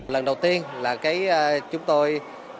điều đầu tiên là cái chúng tôi